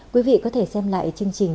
quý vị có thể xem lại chương trình